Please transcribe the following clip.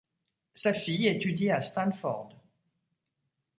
Sa fille étudie à Stanford.